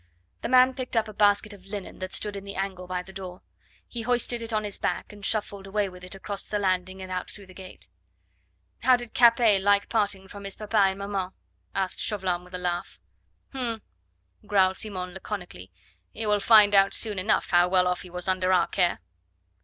The man picked up a basket of linen that stood in the angle by the door. He hoisted it on his back and shuffled away with it across the landing and out through the gate. "How did Capet like parting from his papa and maman?" asked Chauvelin with a laugh. "H'm!" growled Simon laconically. "He will find out soon enough how well off he was under our care."